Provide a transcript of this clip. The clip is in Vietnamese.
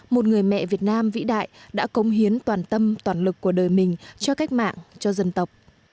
một người mẹ việt nam vĩ đại đã cống hiến toàn tâm toàn lực của đời mình cho cách mạng cho dân tộc